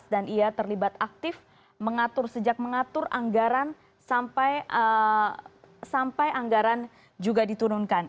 dan ia terlibat aktif mengatur sejak mengatur anggaran sampai anggaran juga diturunkan